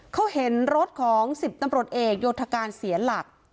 เขาเห็นรถของ๑๐ตำรวจเอกโยธการเสียหลัก